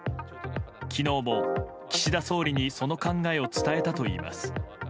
昨日も、岸田総理にその考えを伝えたといいます。